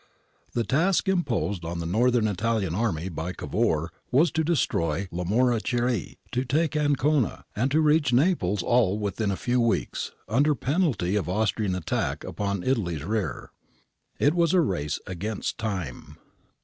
The task imposed on the North Italian army by Cavour was to destroy Lamoriciere, to take Ancona, and to reach Naples all within a few weeks, under penalty oi an Austrian attack upon Italy's rear. It was a race against time.